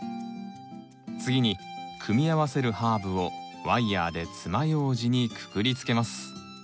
次に組み合わせるハーブをワイヤーでつまようじにくくりつけます。